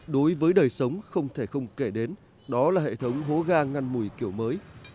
đối với đời sống không thể không kể đến đó là hệ thống hố ga ngăn mùi kiểu mới